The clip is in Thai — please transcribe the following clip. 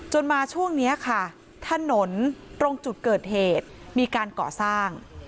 มาช่วงนี้ค่ะถนนตรงจุดเกิดเหตุมีการก่อสร้าง